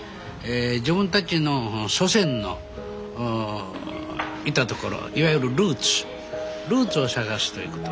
自分たちの祖先のいたところいわゆるルーツルーツを探すということ。